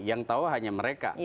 yang tahu hanya mereka